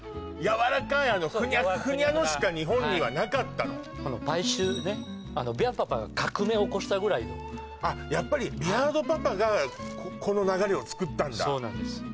やわらかいふにゃふにゃのしか日本にはなかったのパイシューねビアードパパが革命起こしたぐらいのやっぱりビアードパパがこの流れを作ったんだそうなんです